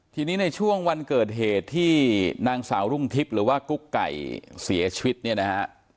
ทีนี้ในช่วงวันเกิดเหตุที่นางสาวรุ่งทิพย์หรือว่ากุ๊กไก่เสียชีวิตเนี่ยนะฮะ